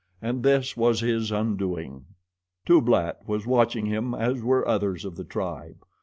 And this was his undoing. Tublat was watching him as were others of the tribe.